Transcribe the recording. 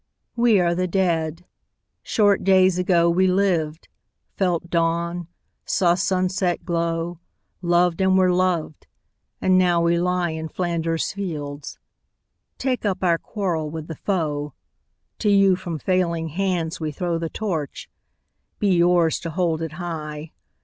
We are the Dead. Short days ago We lived, felt dawn, saw sunset glow, Loved, and were loved, and now we lie In Flanders fields. Take up our quarrel with the foe: To you from failing hands we throw The Torch: be yours to hold it high!